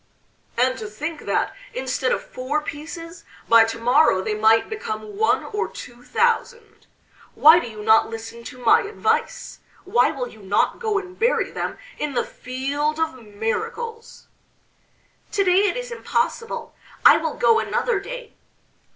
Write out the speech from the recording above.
"And to think that, instead of four pieces, by to morrow they might become one or two thousand! Why do you not listen to my advice? why will you not go and bury them in the Field of Miracles?" "To day it is impossible, I will go another day."